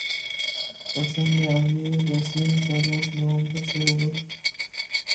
پاکستان میں عالمی ریسلنگ کا اغاز نومبر سے ہوگا